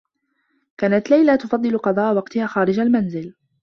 كانت ليلى تفضّل قضاء وقتها خارج المنزل.